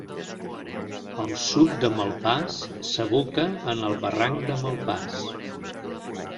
Al sud de Malpàs s'aboca en el barranc de Malpàs.